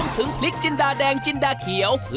อ๋อทีแรกเลย